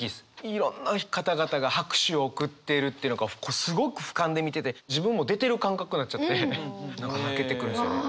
いろんな方々が拍手を送っているっていうのがこうすごくふかんで見てて自分も出てる感覚になっちゃって何か泣けてくるんですよね。